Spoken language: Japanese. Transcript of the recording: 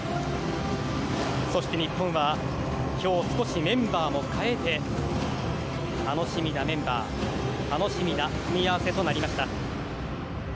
そして日本は今日、少しメンバーを変えて楽しみなメンバー楽しみな組み合わせとなりました。